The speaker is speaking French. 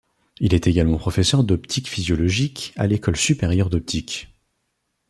Il est également professeur d'optique physiologique à l'École supérieure d'optique.